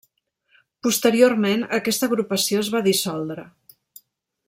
Posteriorment, aquesta agrupació es va dissoldre.